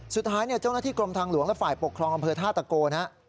สุดท้ายเจ้าหน้าที่กรมทางหลวงและฝ่ายปกครองอำเภอท่าตะโกน